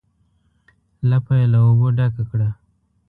لپه یې له اوبو ډکه کړه.